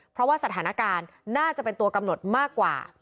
เพราะว่าสถานการณ์น่าจะเป็นตัวกำหนดมากกว่า